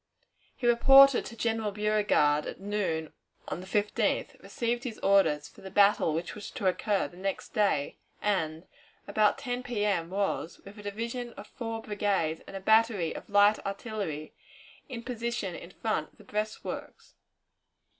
He reported to General Beauregard at noon on the 15th, received his orders for the battle which was to occur the next day, and about 10 P.M. was, with a division of four brigades and a battery of light artillery, in position in front of the breastworks.